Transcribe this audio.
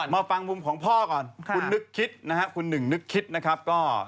มาฟังมุมของพ่อก่อนคุณนึกคิดนะครับคุณหนึ่งนึกคิดนะครับ